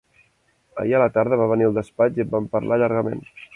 Ahir a la tarda va venir al despatx i en vam parlar llargament.